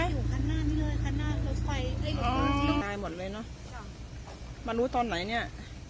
อยู่คันหน้านี้เลยคันหน้ารถไฟหมดเลยเนอะค่ะมารู้ตอนไหนเนี้ย